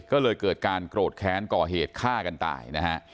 ก็เลยเกิดการโกรธแค้นก่อเหตุฆ่ากันตายนะฮะ